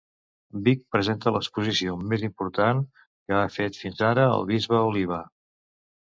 Vic presenta l'exposició més important que ha fet fins ara el bisbe Oliba.